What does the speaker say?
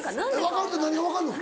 「分かる」って何が分かるの？